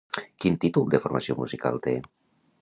Quin títol de formació musical té?